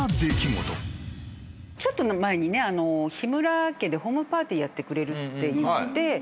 ちょっと前に日村家でホームパーティーやってくれるって。